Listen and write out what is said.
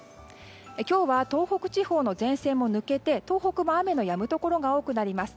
今日は東北地方の前線も抜けて東北も雨のやむところが多くなります。